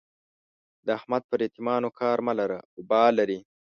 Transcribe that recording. د احمد پر يتيمانو کار مه لره؛ اوبال لري.